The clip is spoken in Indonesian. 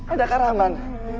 ada kak rahman